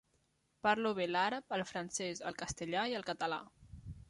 Parlo bé l'àrab, el francès, el castellà i el català.